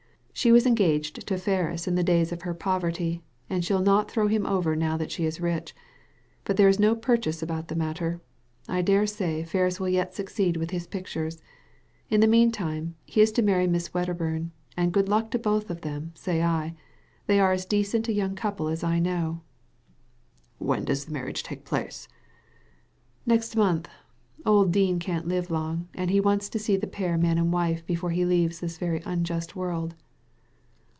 "She was engaged to Ferris in the days of her poverty, and she'll not throw him over now that she is rich ; but there is no purchase about the matter. I dare say Ferris will yet succeed with his pictures. In the mean time, he is to marry Miss Wedderbum, and good luck to both of them, say I. They are as decent a young couple as I know.' Digitized by Google THE END OF IT ALL 273 " When docs the marriage take place ?"" Next month. Old Dean can't live long, and he wants to see the pair man and wife before he leaves this very unjust world."